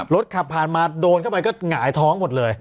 รถขับผ่านมาโดนเข้าไปก็หงายท้องหมดเลย